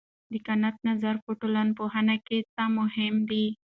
د کنت نظر په ټولنپوهنه کې څه مهم دی؟